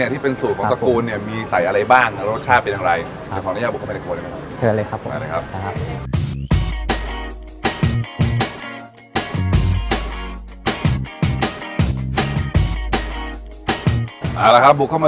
ที่เป็นสูตรของตระกูลมีใส่อะไรบ้างรสชาติเป็นอะไร